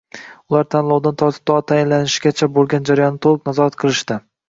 Ular tanlovdan tortib to tayinlanishgacha bo'lgan jarayonni to'liq nazorat qilishdi